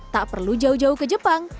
tak perlu jauh jauh ke jepang